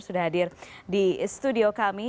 sudah hadir di studio kami